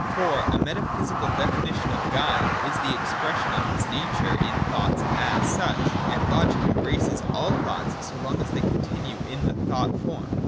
For a metaphysical definition of God is the expression of his nature in thoughts as such: and logic embraces all thoughts so long as they continue in the thought form.